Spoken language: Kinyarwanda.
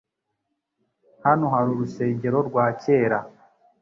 Hano hari urusengero rwa kera .